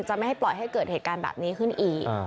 ไม่ให้ปล่อยให้เกิดเหตุการณ์แบบนี้ขึ้นอีก